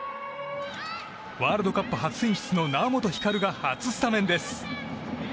ワールドカップ初選出の猶本光が初スタメンです。